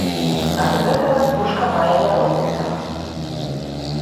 Ад гэтага стужка мае няроўны тэмп.